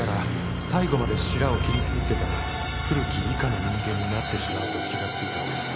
最後までシラを切り続けた古木以下の人間になってしまうと気がついたんです」